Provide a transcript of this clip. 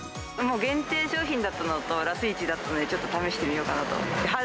限定商品だったのと、ラス１だったので、ちょっと試してみようかなと思って。